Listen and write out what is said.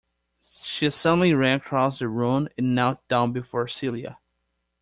She suddenly ran across the room and knelt down before Celia.